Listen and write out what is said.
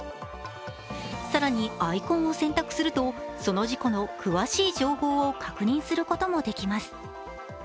更に、アイコンを選択するとその事故の詳しい情報を確認することもできます。